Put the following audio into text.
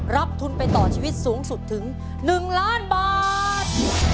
รับทุนไปต่อชีวิตสูงสุดถึง๑ล้านบาท